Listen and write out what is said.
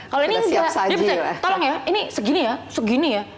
kalau ini dia bisa tolong ya ini segini ya segini ya